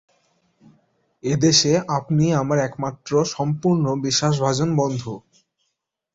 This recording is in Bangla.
এ দেশে আপনিই আমার একমাত্র সম্পূর্ণ বিশ্বাসভাজন বন্ধু।